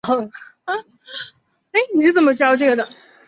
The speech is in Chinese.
在第二次世界大战以前已经有若干延长中央线的计划。